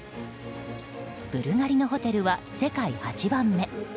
ブルガリのホテルは、世界８番目。